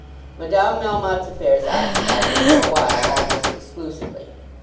Madame Melmotte's affairs occupied him for a while almost exclusively.